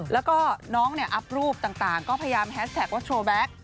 แล้วก็น้องเนี่ยอัพรูปต่างก็พยายามแฮสแท็กว่าโชว์แบ็ค